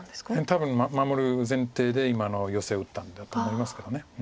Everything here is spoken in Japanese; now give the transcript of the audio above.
多分守る前提で今のヨセを打ったんだと思いますけど。